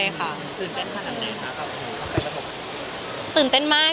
ตื่นเต้นขนาดนี้ค่ะตื่นเต้นมาก